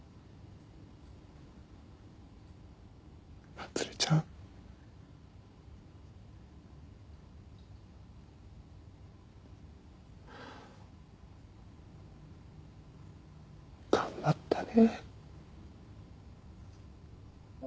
茉莉ちゃん。頑張ったね。